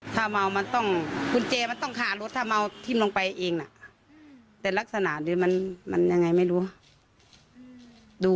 ถ้าเมามันต้องบุญเจมส์น้องมันต้องหาลด